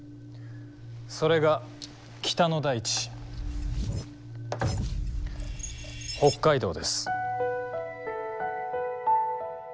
それが北の大地北海道です。